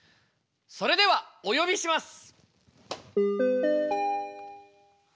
それではおよびします！